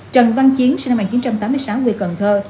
trần văn chiến sinh năm một nghìn chín trăm tám mươi sáu quê cần thơ